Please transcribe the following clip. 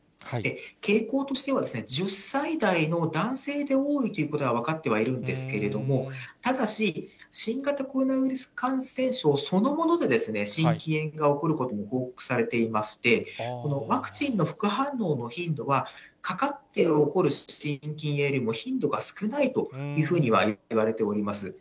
傾向としては、１０歳代の男性で多いということが分かってはいるんですけれども、ただし、新型コロナウイルス感染症そのもので、心筋炎が起こることも報告されていまして、ワクチンの副反応の頻度は、かかって起こる心筋炎よりも頻度が少ないというふうにはいわれております。